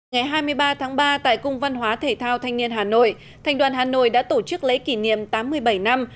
ngày hai mươi ba tháng ba tại cung văn hóa thể thao thanh niên hà nội thành đoàn hà nội đã tổ chức lễ kỷ niệm tám mươi bảy năm